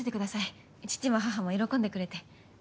父も母も喜んでくれて。